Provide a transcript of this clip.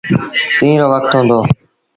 ڏيٚݩهݩ رو وکت هُݩدو۔